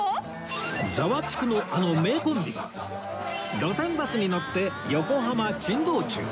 『ザワつく！』のあの名コンビが路線バスに乗って横浜珍道中